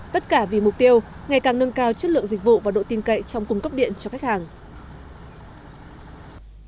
tất cả vì mục tiêu ngày càng nâng cao chất lượng dịch vụ và độ tin cậy trong cung cấp điện cho các đơn vị